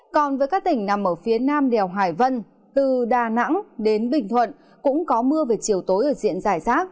còn với các tỉnh nằm ở phía nam đèo hải vân từ đà nẵng đến bình thuận cũng có mưa về chiều tối ở diện giải rác